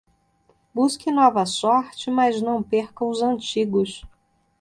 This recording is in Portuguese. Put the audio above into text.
Busque nova sorte, mas não perca os antigos.